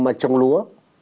mà trồng lúa